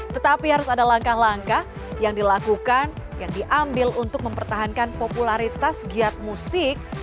tetapi harus ada langkah langkah yang dilakukan yang diambil untuk mempertahankan popularitas giat musik